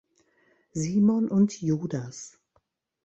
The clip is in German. Simon und Judas“.